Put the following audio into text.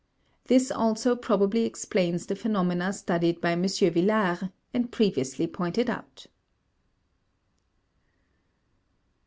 This also probably explains the phenomena studied by M. Villard, and previously pointed out.